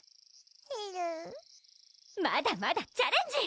えるぅまだまだチャレンジ！